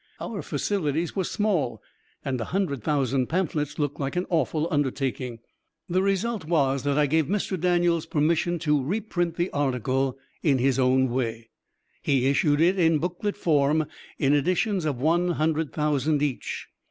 Our facilities were small, and a hundred thousand pamphlets looked like an awful undertaking. The result was that I gave Mr. Daniels permission to reprint the article in his own way. He issued it in booklet form in editions of one hundred thousand each.